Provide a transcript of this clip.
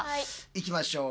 いきましょう。